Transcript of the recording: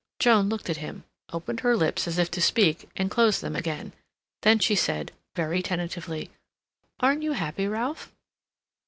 Joan looked at him, opened her lips as if to speak, and closed them again. Then she said, very tentatively: "Aren't you happy, Ralph?"